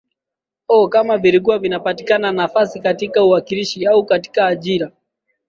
o kama vilikuwa vinapatikana nafasi katika uwakilishi au katika ajira